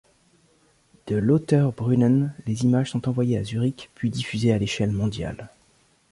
De Lauterbrunnen, les images sont envoyées à Zurich puis diffusées à l'échelle mondiale.